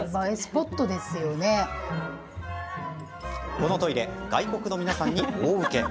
このトイレ外国の皆さんに大ウケ。